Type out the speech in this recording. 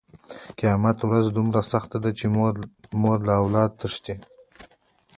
قیامت ورځ دومره سخته ده چې مور له اولاده تښتي.